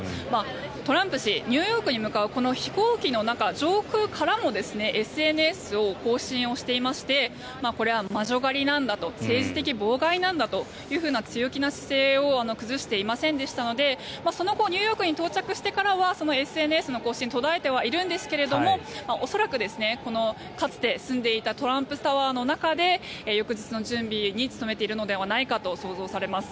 トランプ氏ニューヨークに向かう飛行機の中上空からもＳＮＳを更新していましてこれは魔女狩りなんだと政治的妨害なんだというふうな強気な姿勢を崩していませんでしたのでその後、ニューヨークに到着してからはそのＳＮＳの更新は途絶えてはいるんですけども恐らく、かつて住んでいたトランプタワーの中で翌日の準備に努めているのではないかと想像されます。